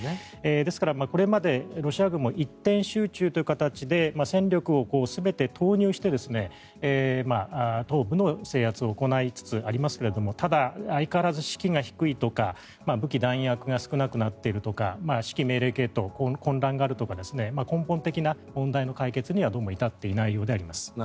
ですから、これまでロシア軍も一点集中という形で戦力を全て投入して東部の制圧を行いつつありますけどただ、相変わらず士気が低いとか武器弾薬が少なくなっているとか指揮命令系統に混乱があるとか根本的な問題の解決にはどうも至っていないようであります。